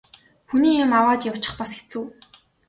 Хүний юм аваад явчих бас хэцүү.